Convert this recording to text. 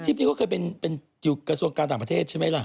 นี้เขาเคยเป็นอยู่กระทรวงการต่างประเทศใช่ไหมล่ะ